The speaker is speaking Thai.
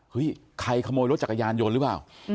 ใครขโมยรถจักรยานยนต์หรือเปล่า